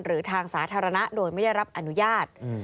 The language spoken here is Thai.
หรือทางสาธารณะโดยไม่ได้รับอนุญาต